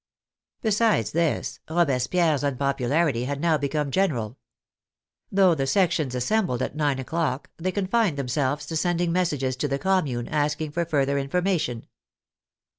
Besides this, Robespierre's unpopularity had now become general. Though the sec tions assembled at nine o'clock, they confined themselves to sending messages to the Commune, asking for further information.